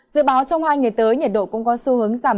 dự báo trong hai ngày tới nhiệt độ cũng có xu hướng giảm